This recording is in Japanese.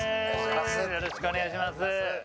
よろしくお願いします。